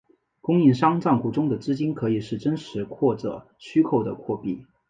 供应商帐户中的资金可以是真实或者虚构的货币。